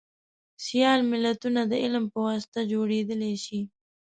سیال ملتونه دعلم په واسطه جوړیدلی شي